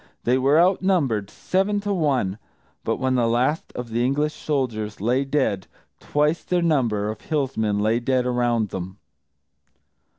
They were outnumbered, seven to one; but when the last of the English soldiers lay dead, twice their number of Hillsmen lay dead around them!